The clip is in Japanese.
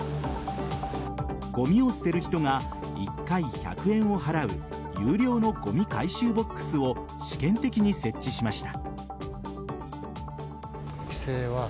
ごみを捨てる人が１回１００円を払う有料のごみ回収ボックスを試験的に設置しました。